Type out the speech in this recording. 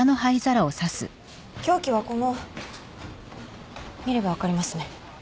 凶器はこの見れば分かりますね。